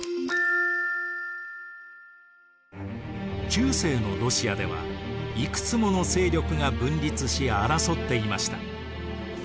中世のロシアではいくつもの勢力が分立し争っていました。